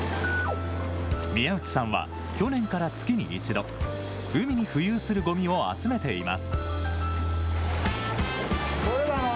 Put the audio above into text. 宮内さんは去年から月に１度、海に浮遊するごみを集めています。